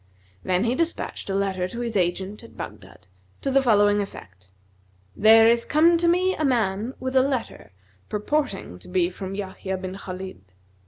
Then he despatched a letter to his agent at Baghdad, to the following effect: "There is come to me a man with a letter purporting to be from Yahya bin Khбlid.